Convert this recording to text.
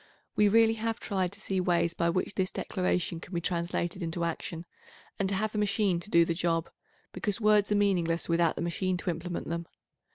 We 866 really have tried to see ways by which this declaration can be translated into action, and to have a machine to do the job, because words are meaningless without the machine to implement them.